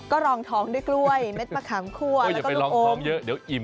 คุ้มนะจะบอกให้